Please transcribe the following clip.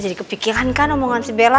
jadi kepikiran kan omongan si bella